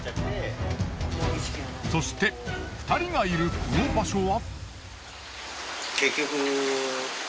そして２人がいるこの場所は。